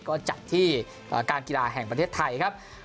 ก็จัดที่การกีฬาแห่งประเทศไทยครับ